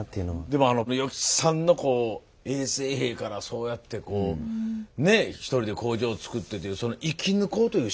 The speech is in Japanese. でも与吉さんの衛生兵からそうやってこうねえ１人で工場造ってというその生き抜こうという執念。